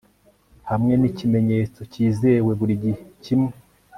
Hamwe nikimenyetso cyizewe burigihe kimwe